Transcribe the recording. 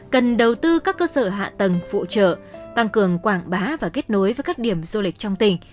cần đầu tư các cơ sở hạ tầng phụ trợ tăng cường quảng bá và kết nối với các điểm du lịch trong tỉnh